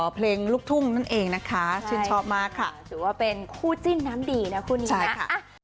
เพลงลูกทุ่งนั่นเองนะคะชื่นชอบมากค่ะถือว่าเป็นคู่จิ้นน้ำดีนะคู่นี้นะคะ